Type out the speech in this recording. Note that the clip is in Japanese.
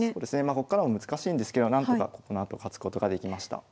こっからは難しいんですけどなんとかこのあと勝つことができました。